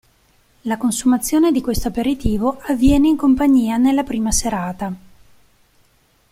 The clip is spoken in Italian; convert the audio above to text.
La consumazione di questo aperitivo avviene in compagnia nella prima serata.